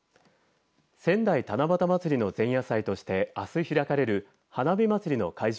仙台七夕まつりの前夜祭としてあす開かれる花火祭の会場